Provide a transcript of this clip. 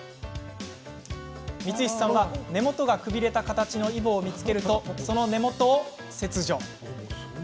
三石さんは根元がくびれた形のイボを見つけるとその根元を切除。